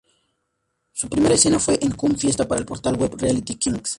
Su primera escena fue en "Cum Fiesta" para el portal web Reality Kings.